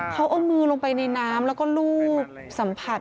เขาเอามือลงไปในน้ำแล้วก็ลูบสัมผัส